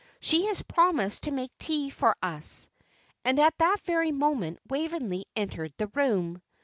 "She has promised to make tea for us." And at that very moment Waveney entered the room.